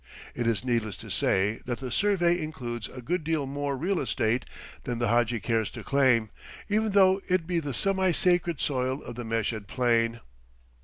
It is needless to say that the survey includes a good deal more real estate than the hadji cares to claim, even though it be the semi sacred soil of the Meshed Plain.